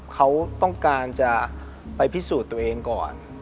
เขาต้องการจะไปพิสูจน์ตัวเองก่อน